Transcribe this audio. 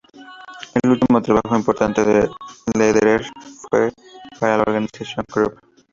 El último trabajo importante de Lederer fue para la organización Krupp.